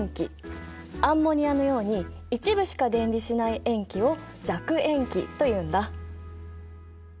アンモニアのように一部しか電離しない塩基を弱塩基というんだ。